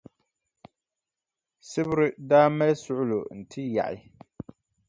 Sibiri daa mali suɣulo n-ti yaɣi.